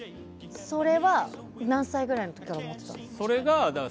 それは、何歳ぐらいの時から思ってたんですか？